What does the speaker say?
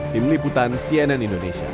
tim liputan cnn indonesia